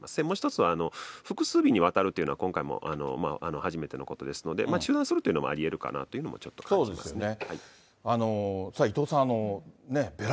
もう１つは、複数日にわたるというのは、今回も初めてのことですので、中断するというのもありえるかなというのもちょっと感じています。